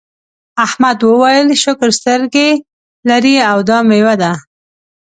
احمد وویل شکر سترګې لرې او دا میوه ده.